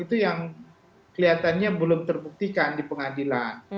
itu yang kelihatannya belum terbuktikan di pengadilan